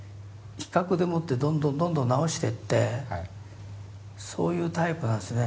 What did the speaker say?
比較でもってどんどんどんどん直してってそういうタイプなんですね。